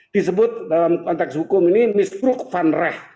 disebut dalam konteks hukum ini misbruk van rech